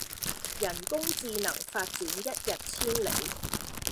人工智能發展一日千里